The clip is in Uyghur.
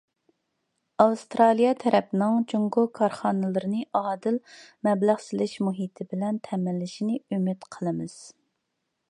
ئاۋسترالىيە تەرەپنىڭ جۇڭگو كارخانىلىرىنى ئادىل مەبلەغ سېلىش مۇھىتى بىلەن تەمىنلىشىنى ئۈمىد قىلىمىز.